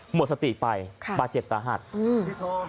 หมดสติไปบาดเจ็บสาหรรค์